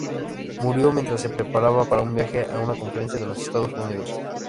Murió mientras se preparaba para un viaje a una conferencia de los Estados Unidos.